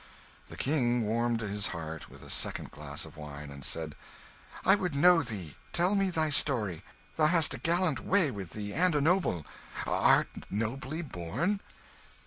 The King warmed his heart with a second glass of wine, and said "I would know thee tell me thy story. Thou hast a gallant way with thee, and a noble art nobly born?"